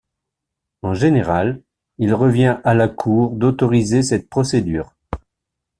En général, il revient à la cour d'autoriser cette procédure.